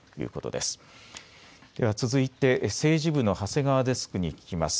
では続いて政治部の長谷川デスクに聞きます。